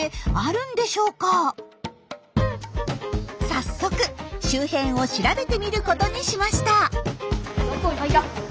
早速周辺を調べてみることにしました。